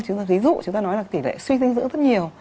chúng ta ví dụ chúng ta nói là tỷ lệ suy dinh dưỡng rất nhiều